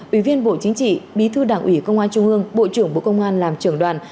ủy viên bộ chính trị bí thư đảng ủy công an trung ương bộ trưởng bộ công an làm trưởng đoàn